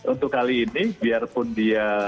untuk kali ini biarpun dia